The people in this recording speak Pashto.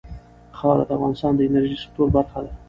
خاوره د افغانستان د انرژۍ سکتور برخه ده.